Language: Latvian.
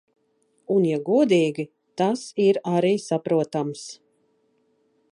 Un ja godīgi, tas ir arī saprotams.